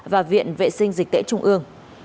và viện vệ sinh dịch tễ trung ương